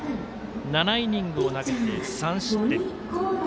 ７イニングを投げて３失点。